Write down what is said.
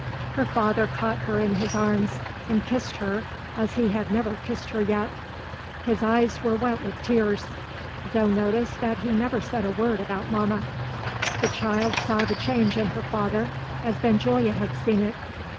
Her father caught her in his arms, and kissed her as he had never kissed her yet. His eyes were wet with tears. Zo noticed that he never said a word about mamma. The child saw the change in her father, as Benjulia had seen it.